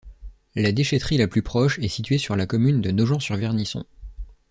La déchèterie la plus proche est située sur la commune de Nogent-sur-Vernisson.